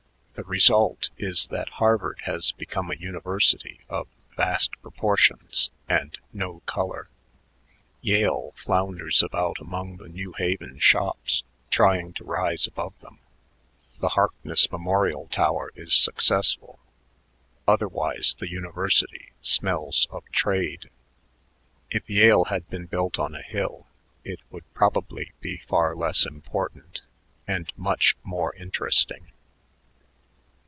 The result is that Harvard has become a university of vast proportions and no color. Yale flounders about among the New Haven shops, trying to rise above them. The Harkness Memorial tower is successful; otherwise the university smells of trade. If Yale had been built on a hill, it would probably be far less important and much more interesting.